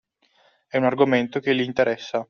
È un argomento che li interessa.